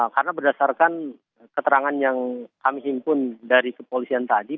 karena berdasarkan keterangan yang kami himpun dari kepolisian tadi